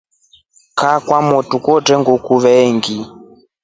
Kaa kwamotru kwetre nguku veengi.